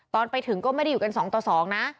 ตอนไปถึงก็ไม่ได้อยู่กัน๒ต่อ๒นะ